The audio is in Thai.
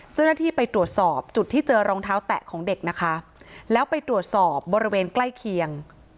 เจ้าหน้าที่ไปตรวจสอบจุดที่เจอรองเท้าแตะของเด็กนะคะแล้วไปตรวจสอบบริเวณใกล้เคียง